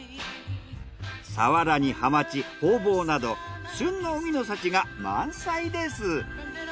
サワラにハマチホウボウなど旬の海の幸が満載です。